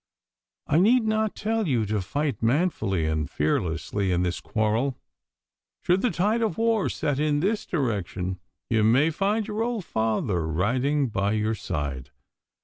I need not tell you to fight manfully and fearlessly in this quarrel. Should the tide of war set in this direction, you may find your old father riding by your side.